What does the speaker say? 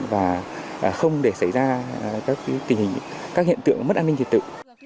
và không để xảy ra các hiện tượng mất an ninh trật tự